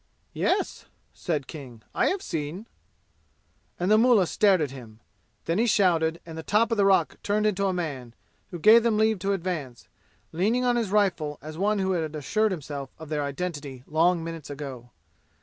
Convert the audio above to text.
"Yes," said King, "I have seen." And the mullah stared at him. Then he shouted, and the top of the rock turned into a man, who gave them leave to advance, leaning on his rifle as one who had assured himself of their identity long minutes ago.